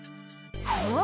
そう！